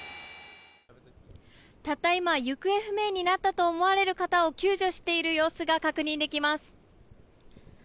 たった今行方不明になったと思われる方を救助している様子が確認できます。